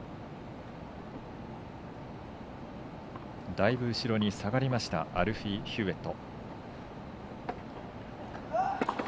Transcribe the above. だいぶ後ろに下がったアルフィー・ヒューウェット。